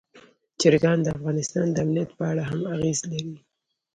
چرګان د افغانستان د امنیت په اړه هم اغېز لري.